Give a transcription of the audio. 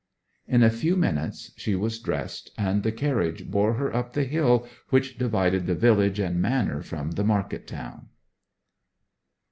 In a few minutes she was dressed, and the carriage bore her up the hill which divided the village and manor from the market town.